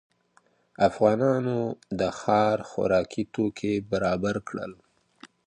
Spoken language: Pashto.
افغانانو د ښار خوراکي توکي برابر کړل.